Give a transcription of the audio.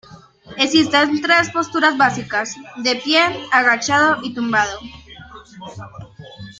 Existen tres posturas básicas: de pie, agachado y tumbado.